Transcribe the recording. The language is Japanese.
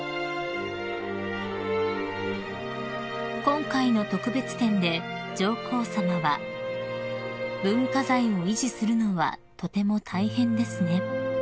［今回の特別展で上皇さまは「文化財を維持するのはとても大変ですね」